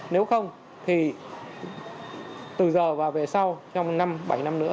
nếu không thì từ giờ và về sau trong năm bảy năm nữa